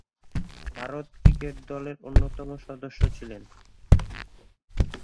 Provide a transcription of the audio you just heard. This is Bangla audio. ভারত ক্রিকেট দলের অন্যতম সদস্য ছিলেন।